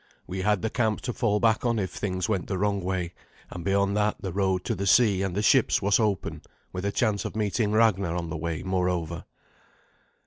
We had the camp to fall back on if things went the wrong way, and beyond that the road to the sea and the ships was open, with a chance of meeting Ragnar on the way, moreover.